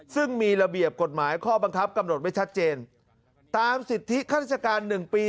ซึ่งมีระเบียบกฎหมายข้อบังคับกำหนดไว้ชัดเจนตามสิทธิข้าราชการหนึ่งปี